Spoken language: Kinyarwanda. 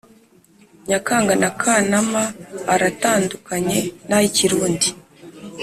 Nyakanga na Kanama Aratandukanye n’ay’ikirundi